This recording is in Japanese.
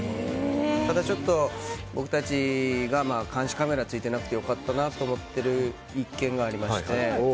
ただ、ちょっと僕たちが監視カメラ付いてなくて良かったなと思っている一件がありまして。